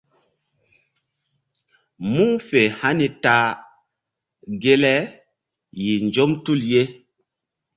Mu̧h fe hani ta ge le yih nzɔm tul ye.